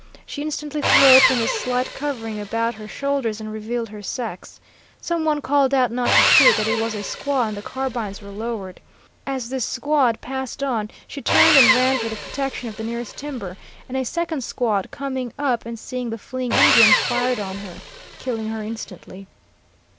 She instantly threw open the slight covering about her shoulders and revealed her sex. Some one called out not to shoot, that it was a squaw, and the carbines were lowered. As this squad passed on, she turned and ran for the protection of the nearest timber, and a second squad coming up and seeing the fleeing Indian, fired on her, killing her instantly.